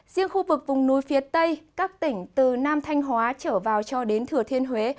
riêng khu vực vùng núi phía tây các tỉnh từ nam thanh hóa trở vào cho đến thừa thiên huế